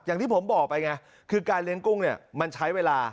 อย่างที่ผมบอกไปไงคือการเลี้ยงกุ้งเนี่ยมันใช้เวลา